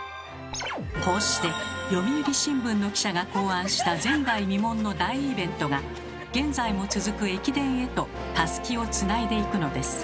こうして読売新聞の記者が考案した前代未聞の大イベントが現在も続く駅伝へとたすきをつないでいくのです。